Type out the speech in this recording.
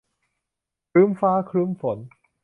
ครึ้มฟ้าครึ้มฝน